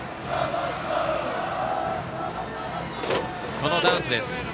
このダンスです。